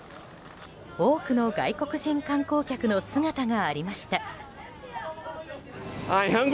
多くの外国人観光客の姿がありました。